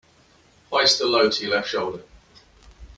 Hoist the load to your left shoulder.